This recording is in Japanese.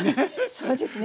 そうですね。